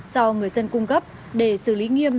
do người dân cung cấp để xử lý nghiêm